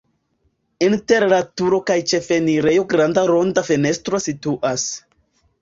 Inter la turo kaj ĉefenirejo granda ronda fenestro situas.